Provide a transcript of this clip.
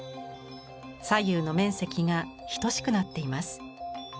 左右の面積が等しくなっています。